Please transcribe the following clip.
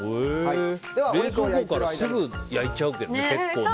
冷蔵庫からすぐ焼いちゃうけどね、結構ね。